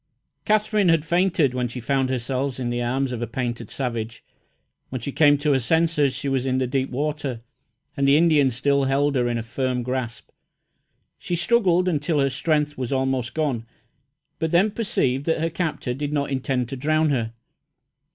Katherine had fainted when she found herself in the arms of a painted savage. When she came to her senses she was in the deep water, and the Indian still held her in a firm grasp. She struggled until her strength was almost gone, but then perceived that her captor did not intend to drown her.